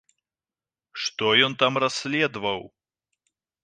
Што ён там расследаваў?